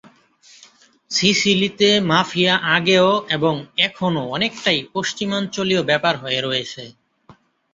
সিসিলিতে mafia আগেও এবং এখনো অনেকটাই পশ্চিমাঞ্চলীয় ব্যাপার হয়ে রয়েছে।